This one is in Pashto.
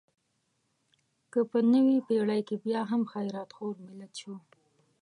که په نوې پېړۍ کې بیا هم خیرات خور ملت شو.